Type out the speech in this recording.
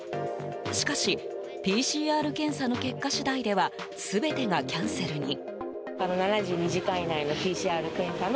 しかしＰＣＲ検査の結果次第では全てがキャンセルに。